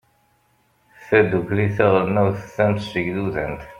tadukli taɣelnawt tamsegdudant